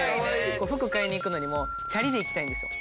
服買いに行くのにもチャリで行きたいんですよ。